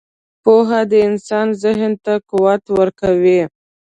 • پوهه د انسان ذهن ته قوت ورکوي.